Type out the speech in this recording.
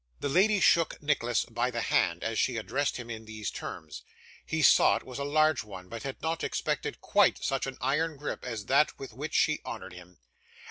The lady shook Nicholas by the hand as she addressed him in these terms; he saw it was a large one, but had not expected quite such an iron grip as that with which she honoured him.